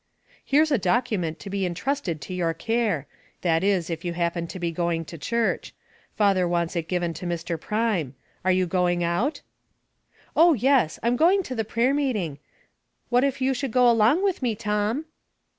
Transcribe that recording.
" Here's a document to be intrusted to your care — that is if you happen to be going to church. Father wants it given to Mr. Prime. Are you going out? "" Oh, yes ; I'm going to the prayer meeting. What if you should go along with me, Tom